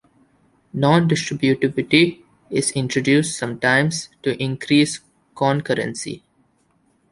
Non-distributivity is introduced sometimes to increase concurrency.